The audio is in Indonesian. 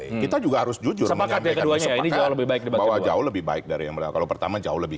kita juga harus jujur adalahjazak lama lebih baik mirjara lebih baik dari yang pertama jauh lebih